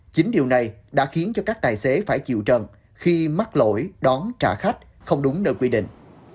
chính điều này đã khiến cho các tài xế phải chịu trần khi mắc lỗi đón trả khách không đúng nơi quy định